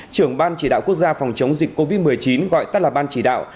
trưởng ban chỉ đạo quốc gia phòng chống dịch covid một mươi chín gọi tắt là ban chỉ đạo